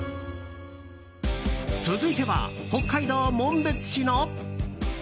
続いては北海道紋別市の。